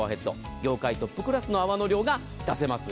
業界トップクラスの泡の量が出せます。